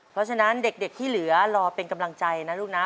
เพราะฉะนั้นเด็กที่เหลือรอเป็นกำลังใจนะลูกนะ